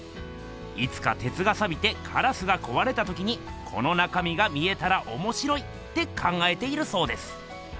いつかてつがさびてカラスがこわれたときにこの中みが見えたらおもしろいって考えているそうです。